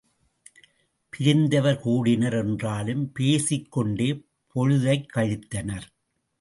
பிரிந்தவர் கூடினர் என்றாலும் பேசிக் கொண்டே பொழுதைக் கழித்தனர்.